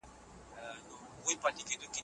نن جهان دی په فرمان د زورورو